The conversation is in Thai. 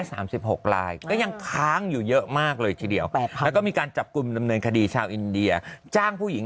รายก็ยังค้างอยู่เยอะมากเลยทีเดียวก็มีการจับกรุมดำเนินคดีชาวอินเดียจ้างผู้หญิง